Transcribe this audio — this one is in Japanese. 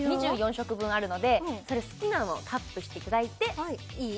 色分あるのでそれ好きなのタップしていただいていい？